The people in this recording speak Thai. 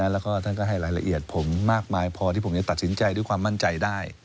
แล้วก็ท่านก็ให้รายละเอียดผมมากมายพอที่ผมจะตัดสินใจด้วยความมั่นใจได้